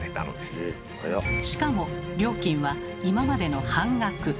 しかも料金は今までの半額。